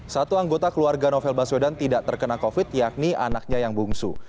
satu anggota keluarga novel baswedan tidak terkena covid yakni anaknya yang bungsu